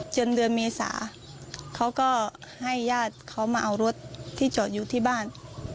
เดือนเมษาเขาก็ให้ญาติเขามาเอารถที่จอดอยู่ที่บ้าน